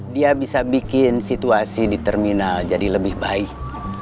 dia bisa bikin situasi di terminal jadi lebih baik